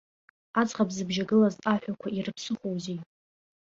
Аӡӷаб дзыбжьагылаз аҳәақәа ирыԥсыхәоузеи?